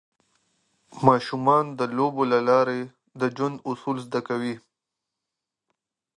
ماشومان د لوبو له لارې د ژوند اصول زده کوي.